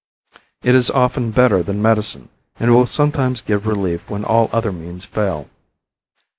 It is often better than medicine, and will sometimes give relief when all other means fail.